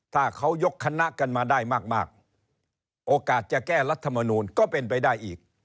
ถ้าเขายกคณะกันมาได้มากโอกาสจะแก้รัฐมนูลก็เป็นไปได้อีก